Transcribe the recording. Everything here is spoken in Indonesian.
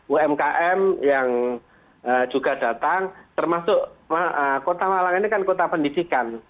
umkm yang juga datang termasuk kota malang ini kan kota pendidikan